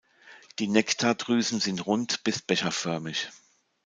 Die Nektardrüsen sind rund bis becherförmig.